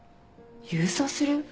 郵送する？